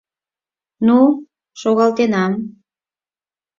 — Ну, шогалтенам...